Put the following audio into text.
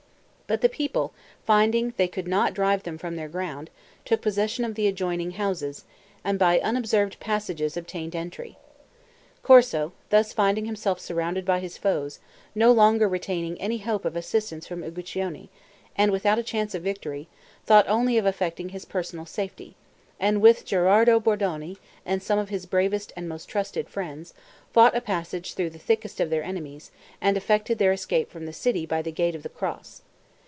But the people, finding they could not drive them from their ground, took possession of the adjoining houses, and by unobserved passages obtained entry. Corso, thus finding himself surrounded by his foes, no longer retaining any hope of assistance from Uguccione, and without a chance of victory, thought only of effecting his personal safety, and with Gherardo Bordoni, and some of his bravest and most trusted friends, fought a passage through the thickest of their enemies, and effected their escape from the city by the Gate of the Cross.